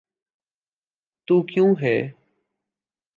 تو کیوں ہے؟